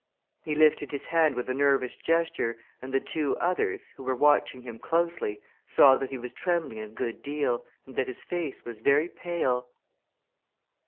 He lifted his hand with a nervous gesture, and the two others, who were watching him closely, saw that he was trembling a good deal, and that his face was very pale.